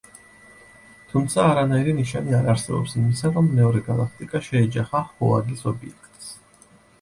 თუმცა, არანაირი ნიშანი არ არსებობს იმისა, რომ მეორე გალაქტიკა შეეჯახა ჰოაგის ობიექტს.